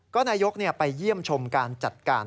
ก็นายกรัฐมนตรีไปเยี่ยมชมการจัดการ